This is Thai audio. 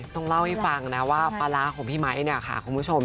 ต้องเล่าให้ฟังนะว่าปลาร่าของพี่ไมค์คุณผู้ชม